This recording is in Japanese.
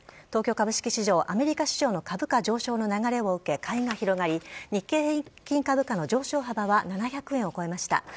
東京株式市場、アメリカ市場の株価上昇の流れを受け、買いが広がり、日経平均株価の上昇幅は７００円を超えました。